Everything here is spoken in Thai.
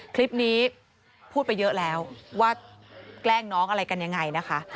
คลิปนี้พูดไปเยอะแล้วว่าแกล้งน้องอะไรกันยังไงนะคะ